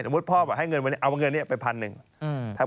สมมุติพ่อให้เงินมาเอาเงินไป๑๐๐๐บาท